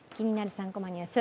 ３コマニュース」